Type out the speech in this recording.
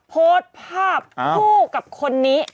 โพสต์ภาพคู่กับคนนี้